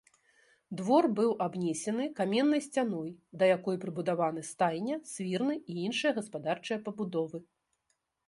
Двор быў абнесены каменнай сцяной, да якой прыбудаваны стайня, свірны і іншыя гаспадарчыя пабудовы.